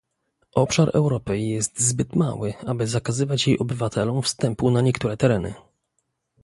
Obszar Europy jest zbyt mały, aby zakazywać jej obywatelom wstępu na niektóre tereny